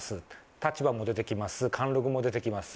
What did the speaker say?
立場も出てきます、貫禄も出てきます。